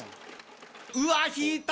うわ引いた！